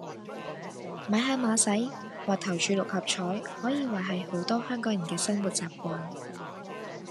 買下馬仔或投注六合彩可以話係好多香港人的生活習慣